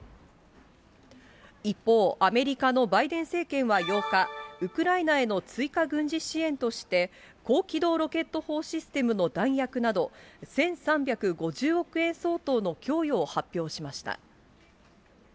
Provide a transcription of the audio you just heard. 一方、アメリカのバイデン政権は８日、ウクライナへのついかぐんじしえんとして、高機動ロケット砲システムの弾薬など、１３５０億円相当の供与を発表しました。